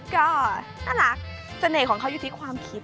ก็น่ารักเสน่ห์ของเขาอยู่ที่ความคิด